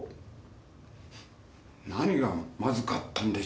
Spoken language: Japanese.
何がまずかったんでしょうか？